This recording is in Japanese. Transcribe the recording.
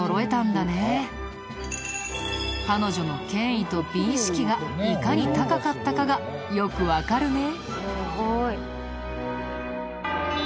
彼女の権威と美意識がいかに高かったかがよくわかるね。